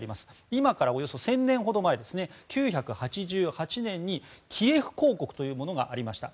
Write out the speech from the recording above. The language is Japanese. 今からおよそ１０００年ほど前９８８年にキエフ公国というものがありました。